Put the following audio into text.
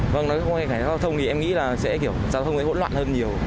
vâng nói về giao thông thì em nghĩ là sẽ kiểu giao thông ấy bỗn loạn hơn nhiều